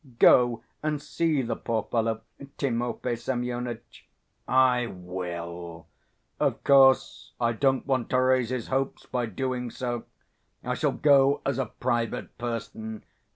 "Go and see the poor fellow, Timofey Semyonitch." "I will. Of course, I don't want to raise his hopes by doing so. I shall go as a private person....